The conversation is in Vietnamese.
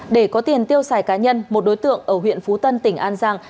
để có tiền tiêu xài cá nhân một đối tượng ở huyện phú tân tỉnh an giang